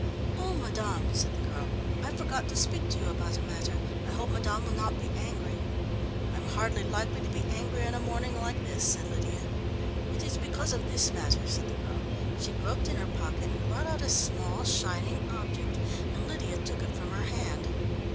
"Oh, madame," said the girl, "I forgot to speak to you about a matter I hope madame will not be angry." "I'm hardly likely to be angry on a morning like this," said Lydia. "It is because of this matter," said the girl. She groped in her pocket and brought out a small shining object, and Lydia took it from her hand.